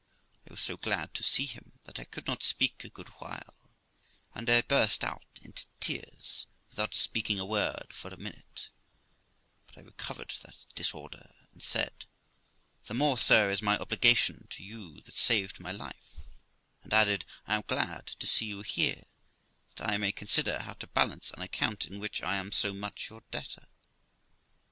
I was so glad to see him, that I could not speak a good while, and I burst out into tears without speaking a word for a minute; but I recovered that disorder, and said, ' The more, sir, is my obligation to you that saved my life'; and added, 'I am glad to see you here, that I may consider how to balance an account in which I am so much your debtor.'